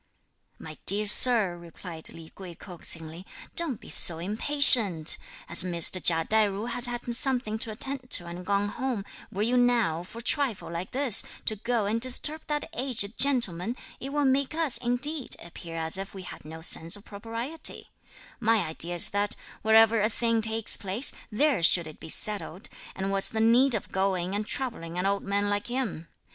"My dear sir," replied Li Kuei coaxingly, "don't be so impatient! As Mr. Chia Tai ju has had something to attend to and gone home, were you now, for a trifle like this, to go and disturb that aged gentleman, it will make us, indeed, appear as if we had no sense of propriety: my idea is that wherever a thing takes place, there should it be settled; and what's the need of going and troubling an old man like him.